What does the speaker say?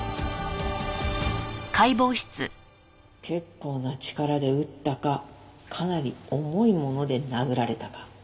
結構な力で打ったかかなり重いもので殴られたか。